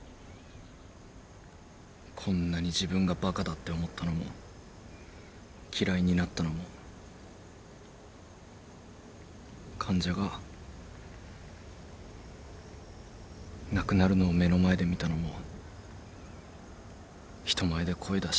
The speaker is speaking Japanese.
こんなに自分がバカだって思ったのも嫌いになったのも患者が亡くなるのを目の前で見たのも人前で声出して泣いたのも全部初めてでした。